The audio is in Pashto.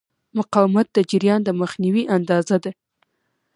مقاومت د جریان د مخنیوي اندازه ده.